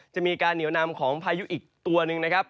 จะมีการเหนียวนำของพายุอีกตัวหนึ่งนะครับ